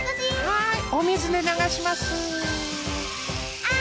はい。